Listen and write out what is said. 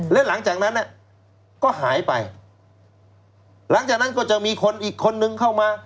และหลังจากนั้นก็หายไปหลังจากนั้นก็จะมีคนอีกคนนึงเข้ามา